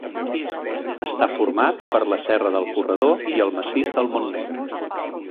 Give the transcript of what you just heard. Està format per la Serra del Corredor i el Massís del Montnegre.